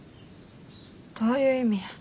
どういう意味や。